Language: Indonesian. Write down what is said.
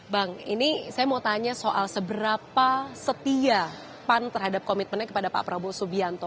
bang ini saya mau tanya soal seberapa setia pan terhadap komitmennya kepada pak prabowo subianto